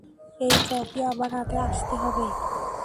এই ট্রফি আমার হাতে আসতে হবে।